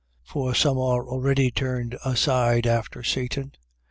5:15. For some are already turned aside after Satan.